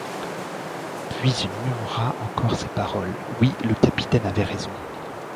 Puis, il murmura encore ces paroles :« Oui ! le capitaine avait raison